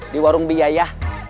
di warung biaya